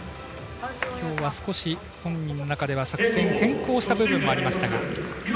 今日は少し本人の中では作戦を変更した部分もありました。